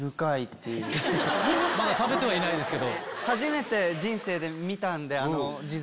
まだ食べてはいないですけど。